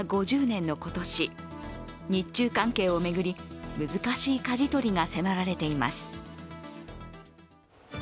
５０年の今年、日中関係を巡り難しいかじ取りが迫られています。